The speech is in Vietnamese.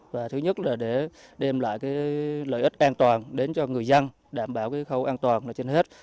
và thứ nhất là để đem lại lợi ích an toàn đến cho người dân đảm bảo khâu an toàn trên hết